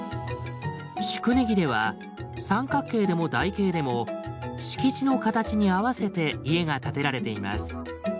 宿根木では三角形でも台形でも敷地の形に合わせて家が建てられています。